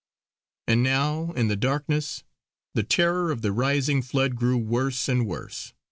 And now, in the darkness, the terror of the rising flood grew worse and worse.